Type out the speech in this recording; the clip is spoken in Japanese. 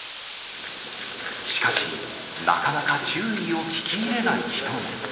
しかし、なかなか注意を聞き入れない人も。